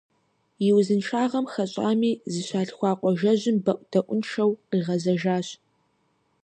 И узыншагъэм хэщӏами, зыщалъхуа къуажэжьым бэӏутӏэӏуншэу къигъэзэжащ.